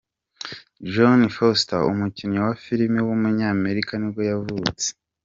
Jon Foster, umukinnyi wa film w’umunyamerika nibwo yavutse.